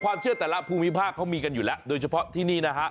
เชื่อแต่ละภูมิภาคเขามีกันอยู่แล้วโดยเฉพาะที่นี่นะฮะ